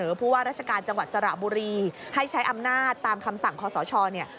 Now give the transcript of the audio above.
ผู้ว่าราชการจังหวัดสระบุรีให้ใช้อำนาจตามคำสั่งคอสชเนี่ย